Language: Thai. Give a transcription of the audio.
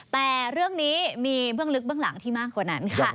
แต่เรื่องนี้มีเบื้องลึกเบื้องหลังที่มากกว่านั้นค่ะ